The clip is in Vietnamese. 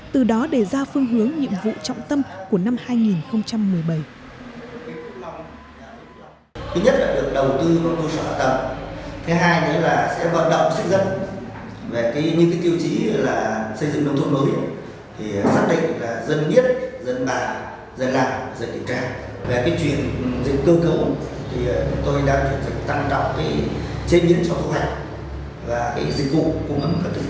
từ đó để ra phương hướng nhiệm vụ trọng tâm của năm hai nghìn một mươi bảy